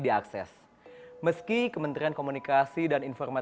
di mana bahwa kesehatan kecemasan daya ini